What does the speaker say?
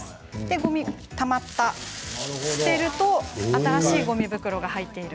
ごみがたまって捨てますと新しいごみ袋が入っている。